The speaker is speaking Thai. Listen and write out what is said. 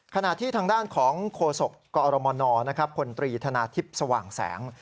ขณะที่ทางด้านของโคศกกอรมนพลตรีธนาทิพย์สว่างแสง